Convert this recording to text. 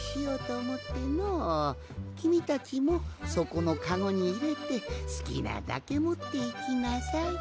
きみたちもそこのカゴにいれてすきなだけもっていきなさい。